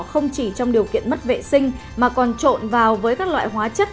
không chỉ trong điều kiện mất vệ sinh mà còn trộn vào với các loại hóa chất